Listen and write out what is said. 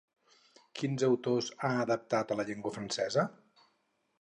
Quins autors ha adaptat a la llengua francesa?